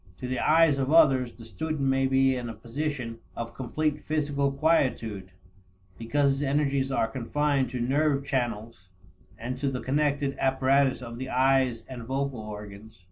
To the eyes of others, the student may be in a position of complete physical quietude, because his energies are confined to nerve channels and to the connected apparatus of the eyes and vocal organs.